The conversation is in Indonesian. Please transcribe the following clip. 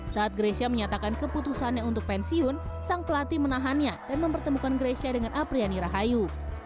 saat grecia menyatakan keputusannya untuk pensiun sang pelatih menahannya dan mempertemukan grecia dengan apriani rahayu